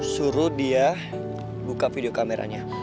suruh dia buka video kameranya